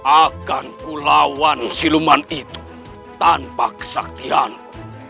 akan ku lawan siluman itu tanpa kesaktianku